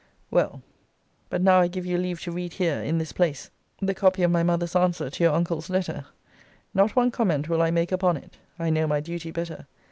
Well, but now I give you leave to read here, in this place, the copy of my mother's answer to your uncle's letter. Not one comment will I make upon it. I know my duty better.